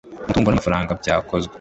Umutungo n ‘amafaranga byakozwe.